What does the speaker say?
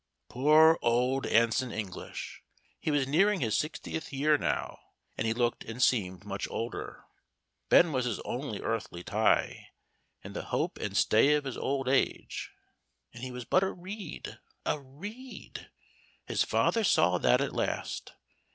Poor old Anson English! He was nearing his sixtieth year now, and he looked and seemed much older. Ben was his only earthly tie, and the hope and stay of his old age. And he was but a reed a reed. His father saw that at last.